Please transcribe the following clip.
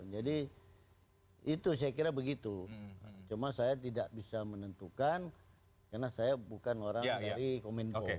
jadi itu saya kira begitu cuma saya tidak bisa menentukan karena saya bukan orang dari kominko